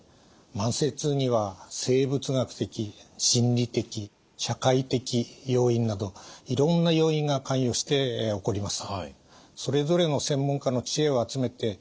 慢性痛には生物学的心理的社会的要因などいろんな要因が関与して起こります。